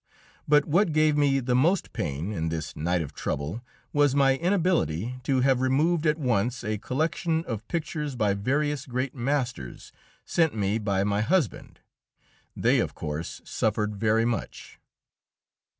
But what gave me most pain in this night of trouble was my inability to have removed at once a collection of pictures by various great masters, sent me by my husband; they, of course, suffered very much.